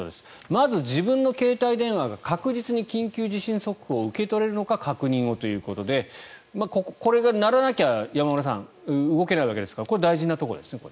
まず、自分の携帯電話が確実に緊急地震速報を受け取れるのか確認をということでこれが鳴らなきゃ山村さん動けないわけですからこれは大事なところですね。